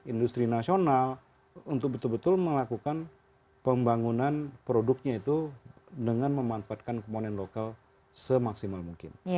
industri nasional untuk betul betul melakukan pembangunan produknya itu dengan memanfaatkan komponen lokal semaksimal mungkin